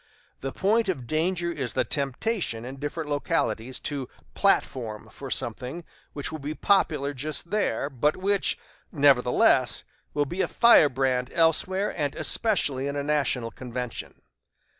The point of danger is the temptation in different localities to 'platform' for something which will be popular just there, but which, nevertheless, will be a firebrand elsewhere and especially in a national convention.